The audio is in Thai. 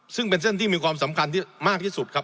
ซึ่งเป็นเส้นที่มีความสำคัญที่มากที่สุดครับ